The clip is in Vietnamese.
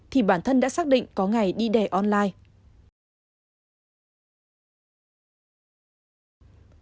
thì bản thân đã xác định có ngày đi đẻ online